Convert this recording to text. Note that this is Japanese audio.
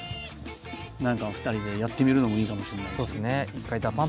何か２人でやってみるのもいいかもしれないし。